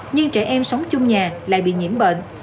nhưng trẻ em sống chung nhà lại bị nhiễm bệnh